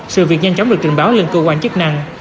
sự việc nhanh chóng được trình báo lên cơ quan chức năng